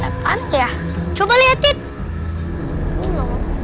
apaan tuh ya coba liatin